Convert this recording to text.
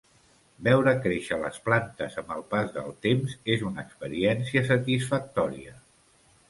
Veure créixer les plantes amb el pas del temps és una experiència satisfactòria.